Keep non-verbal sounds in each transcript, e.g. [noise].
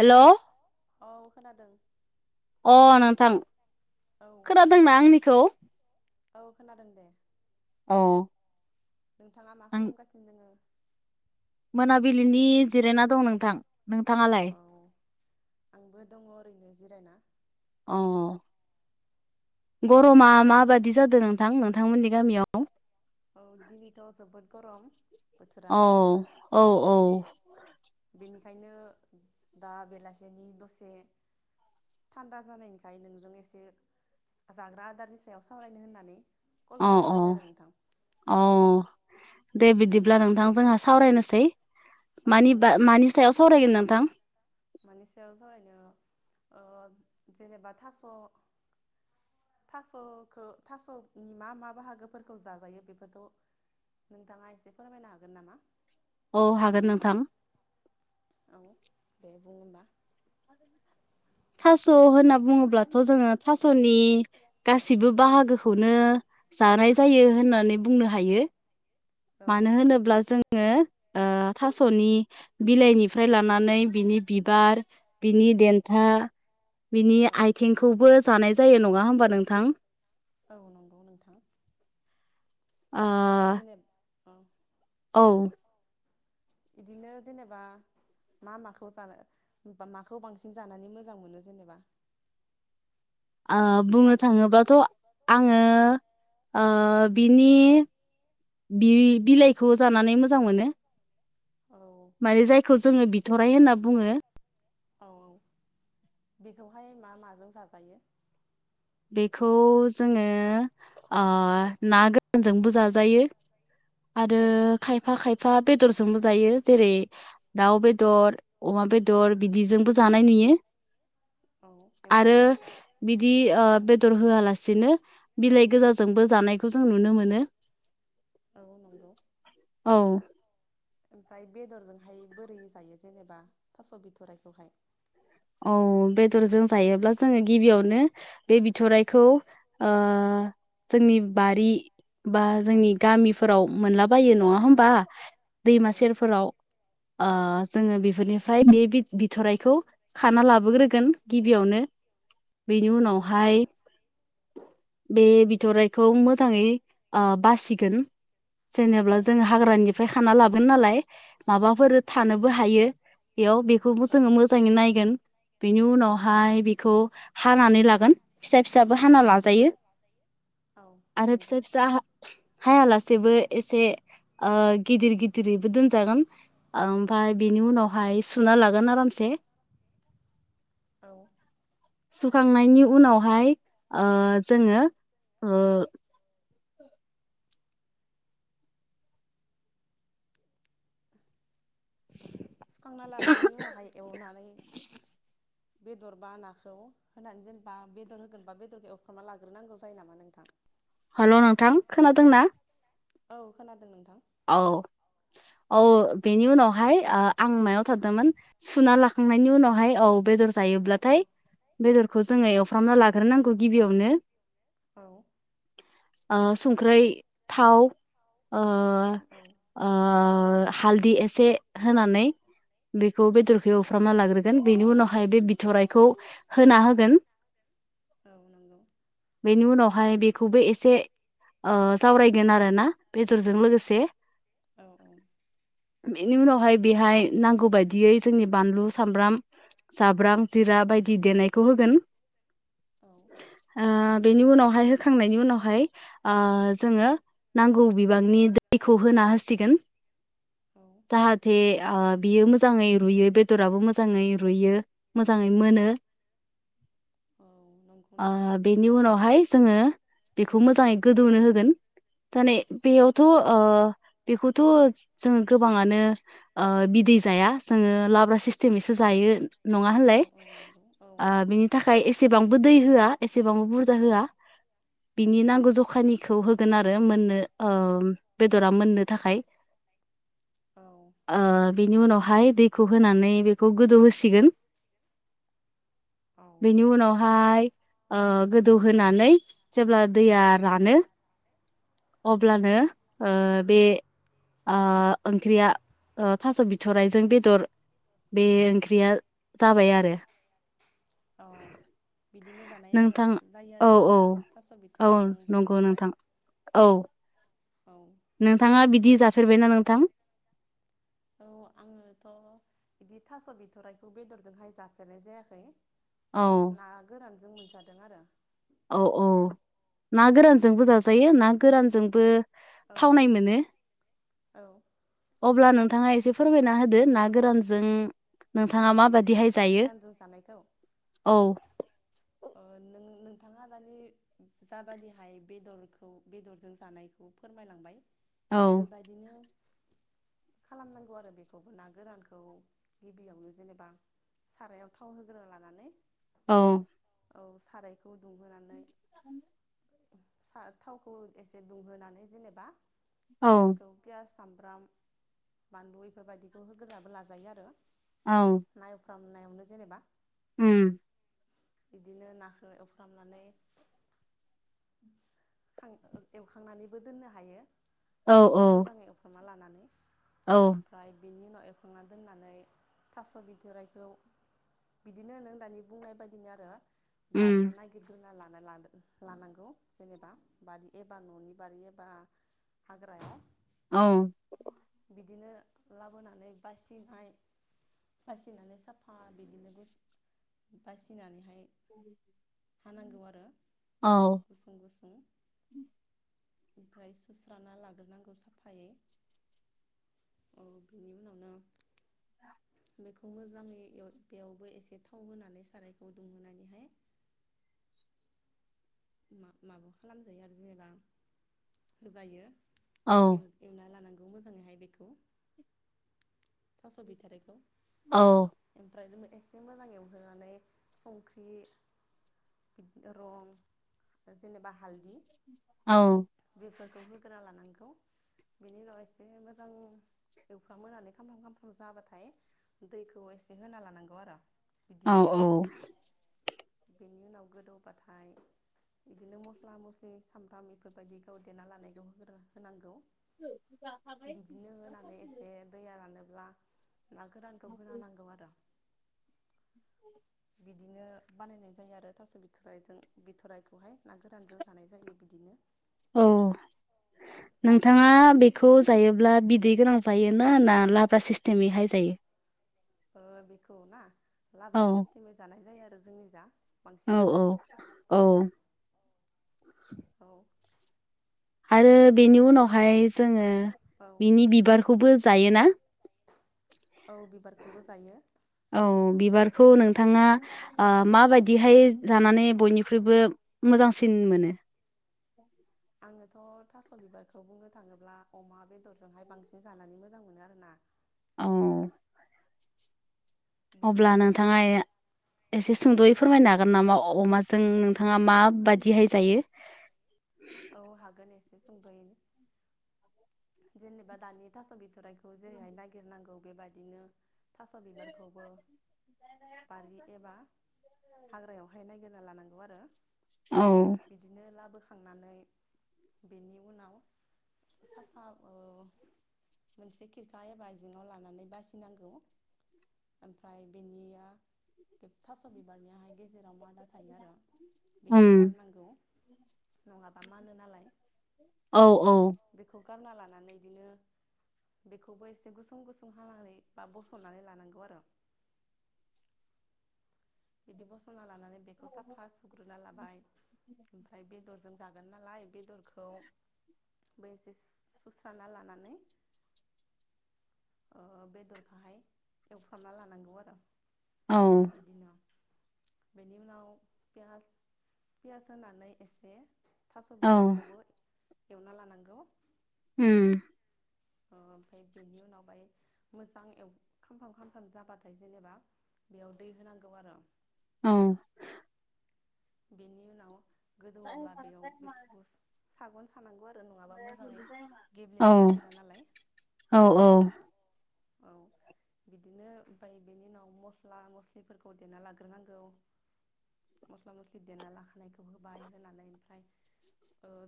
हेल' औ खोनादों। अ नोंथां औ खोनादोंना आंनिखौ? औ खोनादों दे औ नोंथाङा मा खालामगासिनो दोङो? मोनाबिलिनि जिरायना दं नोंथां नोंथाङालाय? औ आंबो दङ ओरैनो जिरायना। अ औ गरमा माबायदि जादों नोंथां नोंथांमोननि गामियाव औ दिनैथ' जोबोद गरम बोथोरा औ औ औ बेनिखायनो दा बेलासिनि दसे थान्दा जानायखाय नोंजों एसे जाग्रा आदारनि सायाव सावरायनो होननानै कल अ हरनाय जाबाय आरो नोंथां औ अ दे बिदिब्ला नोंथां जोंहा सावरायनोसै औ मानि सायाव सावरायगोन नों [inaudible] [unintelligible] मानि सायाव थरैनो जेनेबा थास' थास'खौ थास'नि मा मा बाहागोफोरखौ जाजायो बेफोरखौ नोंथाङा एसे फोरमायनो हागोन नामा? औ हागोन नोंथां बुङोबा थास' होनना बुङोब्लाथ' जोङो थास'नि गाससिबो औ बाहागोखौनो जानाय जायो होननानै बुंनो हायो औ मानो होनोब्ला जोङो थास'नि बिलाइनिफ्राय लानानै बिनि बिबार बिनि देन्था बिनि औ आथिंखौबो जानाय जायो नङा हबा नोंथां औ नंगौ नोंथां ओ औ जेनेबा औ औ बिदिनो जेनेबा मा माखौ जानो माखौ बांसिन जानानै मोजां मोनो जेनेबा बुंनो थास'नि थाङोब्लाथ' औ आङो ओ बिनि बि बिलाइखौ जानानै मोजां मोनो औ माने जायखौ जोङो बिथ'राय होनना बुङो। औ औ बेखौहाय मा माजों जा जायो बेखौ जोङो ना गोरानजोंबो जाजायो। [unintelligible] [inaudible] आरो खायफा खायफा फा बेदरजोंबो जायो जेरै दाउ बेदर अमा बेदर बिदिजोंबो जानाय नुयो औ बिआरो ओमफ्राय बिदि ओ औ बेदर होआलासेनो बिलाइ गोजाजोंबो जानायखौ जों नुनो मोनो औ नंगौ। औ ओमफ्राय बेदरजोंहाय बोरै जायो जेनेबा थास' बिथरायखौहाय? औ बेदरजों जायोब्ला जोङो गिबियावनो बे बिथ'राइखौ ओ जोंनि बारि बा औ जोंनि गामिफोराव मोनलाबायो नङा होमबा दैमा औ सेरफोराव ओ जोङो बेफोरनिफ्राय बे बिथ'रायखौ खाना लाबोग्रोगोन गिबियावनो बेनि औ उनावहाय बे बिथ'राइखौ मोजाङैओ बासिगोन। जेनेबा जों हाग्रानिफ्राय खाना लागोन नालाय माबाफोर थानोबो हायो। बेयाव बेखौबो औ जोङो मोजाङै नाय बेनि उनावहाय बेखौ हानानै लागोन फिसा फिसाबो हाना लाजायो औ आरो नंगौ फिसा फिसा हा हायालासे बो एसे ओ गिदिर गिदिरैबो दोनजागोन। ओमफ्राय बिनि उनावहाय सुना लागोन आरामसे औ। सुखांनायनि उनावहाय ओ जोङो ओ सुखांना लानायनि उनावहाय एवनानै बेदर बा नाखौ होनानै जेनेबा बेदर होगोनबा बेदरखौ एवफ्राना लाग्रोनांगौ जायो नामा नोंथां? हेल' नोंथां खोनादों ना? औ खोनादों नोंथां। औ औ बेनि उनावहाय आं मायाव थादोंमोन सुना लाखांनायनि उनावहाय औ बेदर औ औ जायोब्लाथाय बेदरखौ जोङो एवफ्रामना लाग्रोनांगौ गिबियावनो। औ संख्रै थाव औ ओ हालदि एसे होनानै बेखौ बेदरखौ एवफ्रामना लाग्रोगोन बेनि उनावहाय बे बिथ'राइखौ होना होगोन। औऔ ओमफाय बेखौबो एसे जावरायगोन आरो ना बेदरजों लोगोसे। औ औ बेनि उनावहाय बेहाय नांगौ बायदियै जोंनि बानलु सामब्राम जाब्रां जिरा बायदि देनायखौ होगोन। औ ओ बेनि उनावहाय होखांनायनि उनावहाय ओ जोङो नांगौ बिबान नि दैखौ होना होसिगोन। औ जाहाथे ओ बियो मोजाङै रुयो बेदराबो मोजाङै रुयो मोजाङै मोनो। [inaudible] औ नंगौ ओ नामा बेनि उनावहाय जोङो बेखौ मोजाङै गोदौनो होगोन माने बेयावथ' ओ बेखौथ' जोङो गोबाङानो ओ बिदै जाया जोङो लाब्रासो सिस्टेमैसो जायो नङा औ होनलाय? औ नंगौ औ बिनि थाखाय एसेबां बोदै होआ एसेबांबो बुरजा होआ। बिनि नांगौ जखानिखौ होगोन आरो मोननो ओ बेदरा मोननो थाखाय औ ओ बिनि उनाव हाय दैखौ होनानै बेखौ गोदौ होसिगोन। औ बेनि उनावहाय ओ गोदौहोनानै जेब्ला दैया रानो अब्लानो ओ बे ओ ओंख्रिया थास' बिथ'रायजों बेदर बे ओंख्रिया जाबाय आरो अ बिदिनो जानाय आरो नोंथां जायो आरो औ होमब औ ना थास' औ बिथराय जों नंगौ बेदरखौहाय नोंथां औ औ नोंथाङा बिदि जाफेरबायना नोंथां? औ आङोथ' बिदि थास' बिथ'राइखौ बेदरजोंहाय जाफेरनाय जायाखै। औ ना गोरानजों मोनजादों आरो औ औ ना गोरानजोंबो जाजायो ना गोरानजोंबो औ थावनाय मोनो औ अब्ला नोंथाङा एसे फोरमायना होदो ना गोरानजों नोंथाङा माबा दिहाय ना जायो। गोरानजों जानायखौ औ नों नोंथाङा मानि जाबादिहाय बेदरखौ बेदरजों जानायखौ फोरमायलांबाय औ बेबायदिनो खालामनांगौ आरो बेखौबो ना गोरानखौ गिबियावनो जेनेबा सारायाव थाव होग्रोन लानानै औ औ सारायखौ दुंहोनानै [unintelligible] सा थावखौ एसे दुंहोनानै जेनेबा औ पियासखौ पियास सामब्राम, बानलु बेफोरबायदिखौ होग्रोनाबो लाजायो आरो औ खालामनायावनो जेनेबा ओम बिदिनो नाखो एवफ्रामनानै एवखांनानैबो दोननो हायो। औ औ एसे मोजाङै एवखाना लानानै औ ओमफ्राय बेनि उनाव एवखांना दोननानै थास' बिथोराइखौ बिदिनो नों दानि बुंनाय बायदिनो उम बारियावना गिदिरना ला नांगौ जेनेबा बारि एबा न'नि बारि एबा हाग्रायाव औ बिदिनो लाबोनानै बासिनाय बासिनानै साफा बिदिनो बासिनानैहाय हानांगौ आरो औ गुसुं गुसुं ओमफ्राय सुस्राना लाग्रोनांगौ साफायै। औ बिनि उनावनो बेखौ मोजाङै बेयावबो एसे थाव होनानै सारायखौ दुंहोनानैहाय मा-माबा खालामजायो आरो जेनेबा जायो औ एवना लानांगौ मोजाङैहाय बेखौ थास' बिथारिखौ औ ओमफ्राय एसे मोजां एवहोनानै संख्रि बिदि रं जेनेबा हालददि औ होग्रा लानांगौ बेनि उनाव एसे मोजां एवफ मोननानै खामफ्राम खामफ्राम जाबाथाय दैखौ एसे होना लानांगौ आरो औ बिदिनो औ बेनि उनाव गोदौबाथाय बिदिनो मस्ला-मस्लि सामब्राम बेफोरबायदि गाव देना लानायखौ होनांगौ बिदिनो होनानै एसे दैया रानोब्ला ना गोरानखौ होना होनांगौ आरो बिदिनो बानायनाय जायो आरो थास' बिथरजों बिथ'राइखौहाय ना गोरानजों जानाय जायो बिदिनो औ नोंथाङा बेखौ जायोब्ला बिदै गोनां जायोना ना लाब्रा सिस्टेमैहाय जायो बेखौ ना औ लाब्रा सिस्टेमै जानाय जायो आरो जोंनि जा औ बांसिनानो औ औ औ आरो बेनि उनावहाय जोङो औ बिनि बिबारखौबो जायोना औ बिबारखौबो जायो औ बिबारखौ नोंथाङा माबायदिहाय जानानै बयनिख्रुइबो मोजांसिन मोनो आङोथ' थास' बिबारखौ बुंनो थाङोब्ला अमा बेदरजोंहाय बांसिन जानानै मोजां मोनो आरोना औ अब्ला बिदिनो नोंथाङा एसे सुंद'यै औ फोरमायनो हागोन नामा अमाजों नोंथाङा मा बाददिहाय जायो औ हागोन एसे सुंद'यैनो जेनेबा दानि थास' बिथरा खौ जेरैहाय नागिरनांगौ बेबायदिनो थास' बिबारखौबो बारि एबा हाग्रायावहाय नायगिरना लानांगौ आरो औ बिदिनो लाबोखांनानै बेनि उनाव सफा मोनसे खिरखा एबा आइजेङाव लानानै बासिनांगौ ओमफ्राय बेनिया बेथास' बिबारनियाहाय जेराव मादा थायो आरो उम बेखौ गारनांगौ नङाबा मानो नालाय नालाय औ औ बेखौ गारना लानानै बिदिनो बेखौबो एसे गुसुं गुसुं हानानै बा बसननानै लानांगौ आरो [inaudible] बिदि बसना लानानै बेखौ साफा सुग्रोना लाबाय ओमफ्राय बे बेदरजों जागोन नालाय बेदरखौ बे एसे सुस्रा लानानै बेदरखाहाय एवफ्रामना लानांगौ आरो औ बिदिनो बेनि उनाव पियास पियास होनानै एसे थास' औ बिबारखौबो एवना लानांगौ उम ओमफ्राय बेनि उनावहाय मोजां एव खामफ्राम खामथाम जाबाथाय जेनेबा बेयाव दै होनांगौ आरो औ बेनि उनाव गोदौवाब्ला बेयाव बेखौ सागन सानांगौ आरो नङाबा मोजाङै औ गेब्लेनो नागिरा नालाय औ औ औ बिदिनो ओमफाय बेनि उनाव मस्ला मस्लिफोरखौ देना लाग्रोनांगौ मस्ला मस्लि देना लाखानाय स' होबाय होनानै ओमफ्राय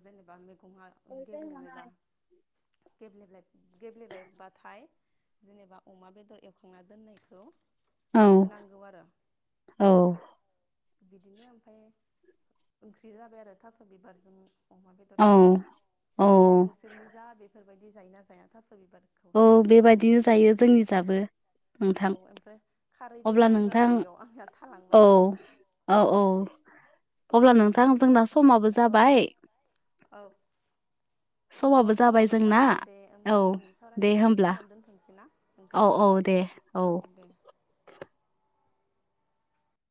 जेनेबा मैगंआ गेब्लेबा गेब्ले गेब्लेबायबाथाय जेनेबा अमा बेदर एवखांना दोननायखौ औ होनांगौ आरो औ बिदिनो ओमफ्राय ओंख्रि जाबाय आरो थास बिबारजों अमा बेदरजों औ औ बिदि जायो ना जाया थास' बि औ बेबायदिनो जायो जोंनि ओजाबो औ ओमफ्राय खारैबो होनांगौ आरो बेयाव आंना थालांबाय औ माने औ औ अब्ला नोंथां बिदिनो जोंना संना जानाय जायो समाबो आरो। औ जाबाय औ औ समाबो जाबाय दे होमब्ला औ दिनैनि दे सावरायनायखौ होमब्ला बेखिनियावनो दोनथोंनोसै ना औ नोंथां औ दे औ दे